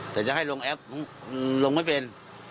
แต่จะให้ลงแอปลงไม่เป็น